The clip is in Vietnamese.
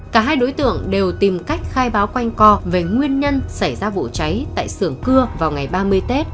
cả hai đối tượng đều tìm cách khai báo quanh co về nguyên nhân xảy ra vụ cháy tại sưởng cưa vào ngày ba mươi tết